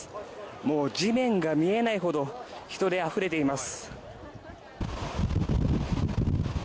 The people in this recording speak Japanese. もう地面が見えないほど人であふれています。